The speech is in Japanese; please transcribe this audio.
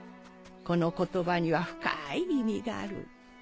この言葉には深い意味がある。